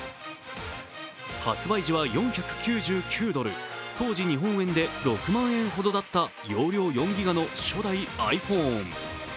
発売時は４９９ドル、当時日本円で６万円ほどだった容量４ギガの初代ｉＰｈｏｎｅ。